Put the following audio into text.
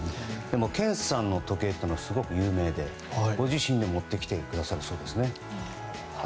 健さんの時計ってすごく有名でご自身で持ってきてくださるそうですね。